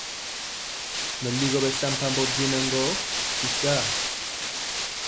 Bɛtɔmba bɛwa y jala nɛ gɔ beyɛga nɛ ligɔ.